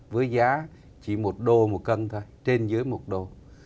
với giá chỉ một đô một cân thôi trên dưới một đô